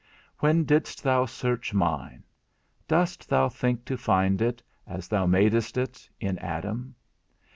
When didst thou search mine? Dost thou think to find it, as thou madest it, in Adam?